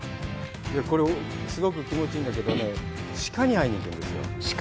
これすごく気持ちいいんだけどね鹿に会いに行くんですよ鹿？